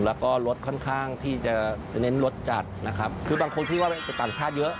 แล้วก็รสค่อนข้างที่จะเน้นรสจัดนะครับคือบางคนคิดว่าเป็นต่างชาติเยอะ